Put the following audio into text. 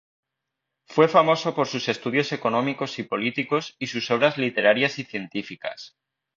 Fue famoso por sus estudios económicos y políticos y sus obras literarias y científicas.